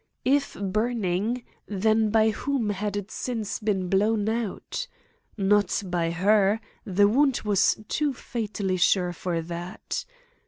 If burning, then by whom had it since been blown out? Not by her; her wound was too fatally sure for that.